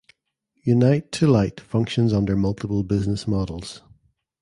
Unite to Light functions under multiple business models.